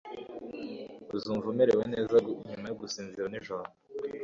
Uzumva umerewe neza nyuma yo gusinzira nijoro.